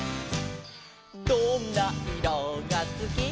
「どんないろがすき」